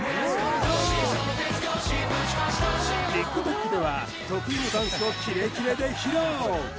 ＴｉｋＴｏｋでは得意のダンスをキレキレで披露